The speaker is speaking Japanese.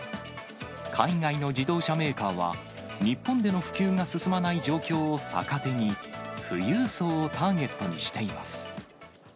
海外の自動車メーカーは、日本での普及が進まない状況を逆手に、富裕層をターゲットにしています。